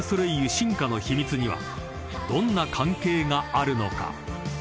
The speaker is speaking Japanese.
進化の秘密にはどんな関係があるのか？］